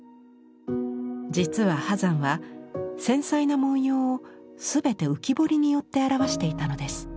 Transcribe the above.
実は波山は繊細な文様を全て浮き彫りによって表していたのです。